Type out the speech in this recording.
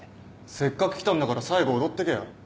せっかく来たんだから最後踊ってけよ。